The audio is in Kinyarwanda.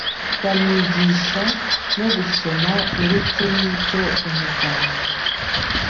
bamwigisha no gusoma Uretse n ibyo umuganga